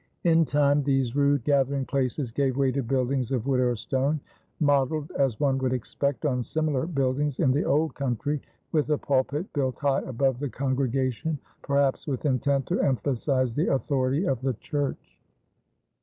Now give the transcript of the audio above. In time these rude gathering places gave way to buildings of wood or stone, modeled, as one would expect, on similar buildings in the old country, with a pulpit built high above the congregation, perhaps with intent to emphasize the authority of the church.